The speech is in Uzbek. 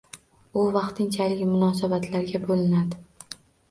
U vaqtinchalik munosabatlarga bo'linadi